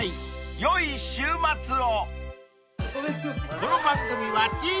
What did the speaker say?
［よい週末を］